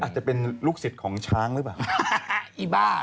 อาจจะเป็นลูกศิษย์ของช้างหรือเปล่าอีบ้า